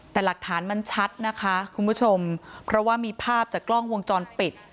แต่หลักฐานมันชัดนะคะคุณผู้ชมเพราะว่ามีภาพจากกล้องวงจรปิด